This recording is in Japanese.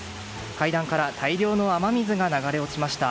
階段から大量の雨水が流れ落ちました。